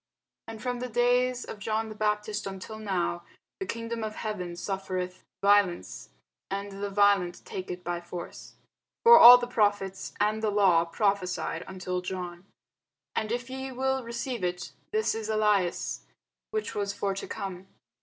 And from the days of John the Baptist until now the kingdom of heaven suffereth violence, and the violent take it by force. For all the prophets and the law prophesied until John. And if ye will receive it, this is Elias, which was for to come.